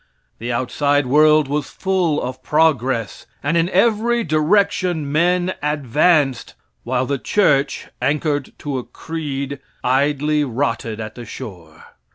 The outside world was full of progress, and in every direction men advanced, while the church, anchored to a creed, idly rotted at the shore.